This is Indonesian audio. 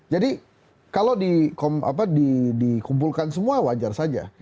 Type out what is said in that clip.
jadi kalau dikumpulkan semua wajar saja